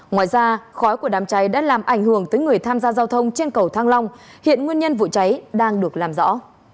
ngoài ra khói của đám cháy đã làm ảnh hưởng tới người tham gia giao thông trên cầu thăng long hiện nguyên nhân vụ cháy đang được làm rõ